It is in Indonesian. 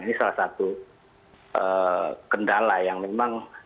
ini salah satu kendala yang memang